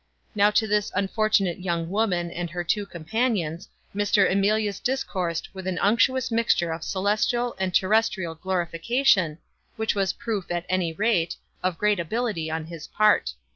Now to this unfortunate young woman and her two companions, Mr. Emilius discoursed with an unctuous mixture of celestial and terrestrial glorification, which was proof, at any rate, of great ability on his part.